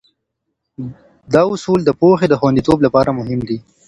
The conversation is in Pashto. دا اصول د پوهې د خونديتوب لپاره مهم دي.